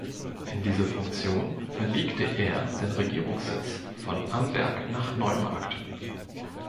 In dieser Funktion verlegte er den Regierungssitz von Amberg nach Neumarkt.